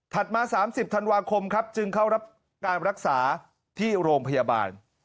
มา๓๐ธันวาคมครับจึงเข้ารับการรักษาที่โรงพยาบาล